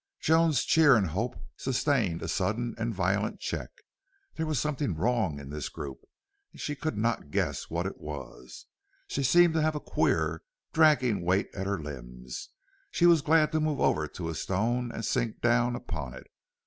Joan's cheer and hope sustained a sudden and violent check. There was something wrong in this group, and she could not guess what it was. She seemed to have a queer, dragging weight at her limbs. She was glad to move over to a stone and sink down upon it.